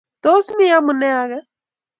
Tos mi amune agee?